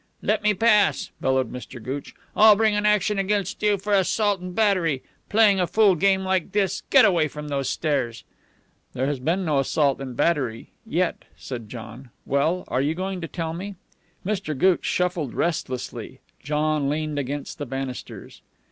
"Let me pass," bellowed Mr. Gooch. "I'll bring an action against you for assault and battery. Playing a fool game like this! Get away from those stairs." "There has been no assault and battery yet," said John. "Well, are you going to tell me?" Mr. Gooch shuffled restlessly. John leaned against the banisters.